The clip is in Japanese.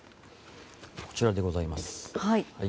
こちらでございます。